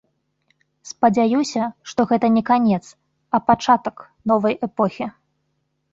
Спадзяюся, што гэта не канец, а пачатак новай эпохі.